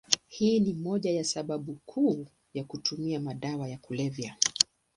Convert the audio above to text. Hii ni moja ya sababu kuu ya kutumia madawa ya kulevya.